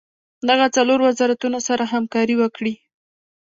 دغه څلور وزارتونه سره همکاري وکړي.